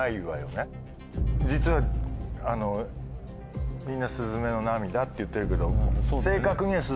実はみんな「すずめの涙」って言ってるけど。